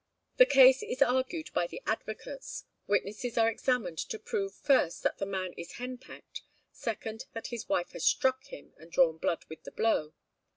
The case is argued by the advocates; witnesses are examined to prove, first, that the man is henpecked, second, that his wife has struck him and drawn blood with the blow.